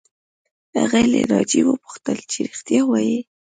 هغې له ناجیې وپوښتل چې رښتیا وایې